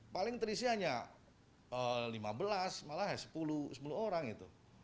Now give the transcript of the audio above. paling terisi hanya lima belas malah sepuluh orang itu